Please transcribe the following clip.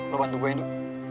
lu bantu gue ya du